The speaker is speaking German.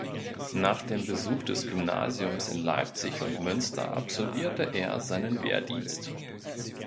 Nach dem Besuch des Gymnasiums in Leipzig und Münster absolvierte er seinen Wehrdienst.